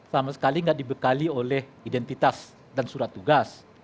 sama sekali tidak dibekali oleh identitas dan surat tugas